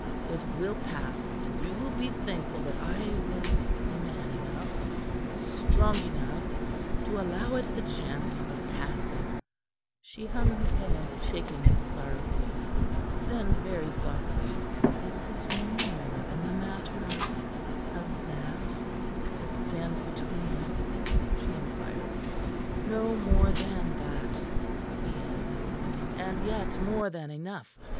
It will pass, and you will be thankful that I was man enough strong enough to allow it the chance of passing." She hung her head, shaking it sorrowfully. Then very softly: "Is it no more than the matter of of that, that stands between us?" she inquired. "No more than that," he answered, "and yet more than enough.